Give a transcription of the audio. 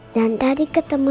dan tadi ketemu